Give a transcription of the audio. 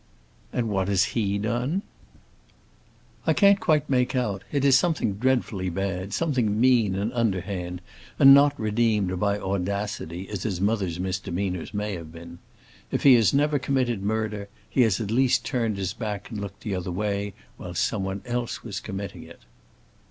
"And what has he done?" "I can't quite make out; it is something dreadfully bad, something mean and underhand, and not redeemed by audacity, as his mother's misdemeanors may have been. If he has never committed murder, he has at least turned his back and looked the other way while someone else was committing it."